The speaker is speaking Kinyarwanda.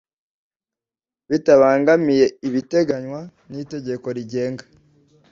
bitabangamiye ibiteganywa n itegeko rigenga